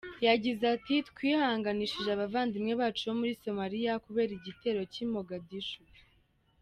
Yagize ati “Twihanganishije abavandimwe bacu bo muri Somalia kubera igitero cy’i Mogadishu.